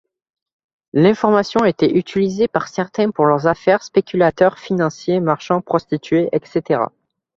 L'information était utilisée par certains pour leurs affaires : spéculateurs financiers, marchands, prostituées, etc.